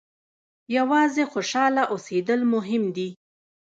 یوازې خوشاله اوسېدل مهم دي.